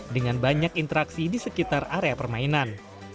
dengan banyak interaksi di sekitar area permainan